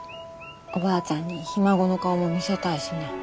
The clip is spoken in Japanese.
おばあちゃんにひ孫の顔も見せたいしね。